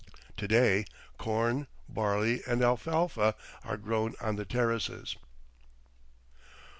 To day corn, barley, and alfalfa are grown on the terraces.